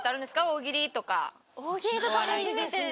大喜利とか初めてですね。